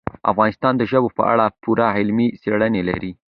افغانستان د ژبو په اړه پوره علمي څېړنې لري.